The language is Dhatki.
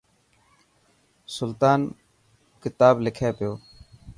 سلطان ڪتا لکي پيو.